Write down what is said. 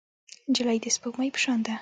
نجلۍ د سپوږمۍ په شان ده.